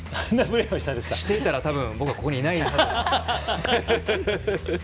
してたら、僕はここにはいない。